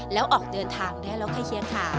แล้วออกเดินทางได้แล้วใครเชียงค่ะ